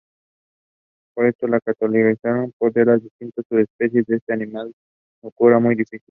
Por esto la catalogación de las distintas subespecies de este animal, resulta muy difícil.